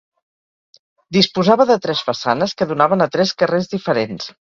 Disposava de tres façanes que donaven a tres carrers diferents.